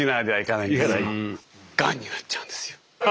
がんになっちゃうんですよ。